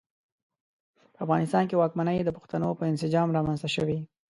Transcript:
په افغانستان کې واکمنۍ د پښتنو په انسجام رامنځته شوې.